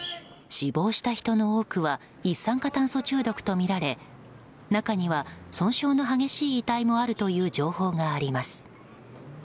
死亡した人の多くは一酸化炭素中毒とみられ中には、損傷の激しい遺体もあるという情報もあります。